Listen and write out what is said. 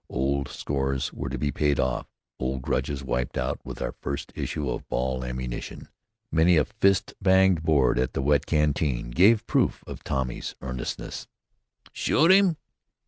Old scores were to be paid off, old grudges wiped out with our first issue of ball ammunition. Many a fist banged board at the wet canteen gave proof of Tommy's earnestness. "Shoot 'im?"